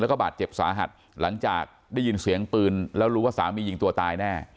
แล้วก็บาดเจ็บสาหัสหลังจากได้ยินเสียงปืนแล้วรู้ว่าสามียิงตัวตายแน่